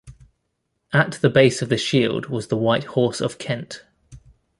At the base of the shield was the white horse of Kent.